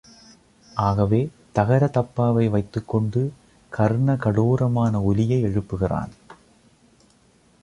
ஆகவே, தகர தப்பாவை வைத்துக் கொண்டு கர்ணகடோரமான ஒலியை எழுப்புகிறான்.